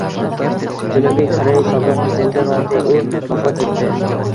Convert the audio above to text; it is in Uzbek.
Janubiy Koreya sobiq prezidenti Ro De U vafot etdi